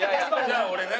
じゃあ俺ね。